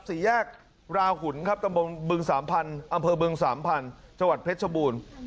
สี่แยกราหุ่นครับอำเภอเบืองสามพันธุ์จังหวัดเพชรชบูรณ์